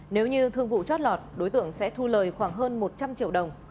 nếu như thương vụ chót lọt đối tượng sẽ thu lời khoảng hơn một trăm linh triệu đồng